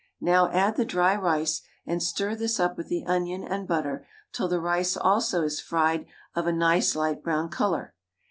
Now add the dry rice, and stir this up with the onion and butter till the rice also is fried of a nice light brown colour.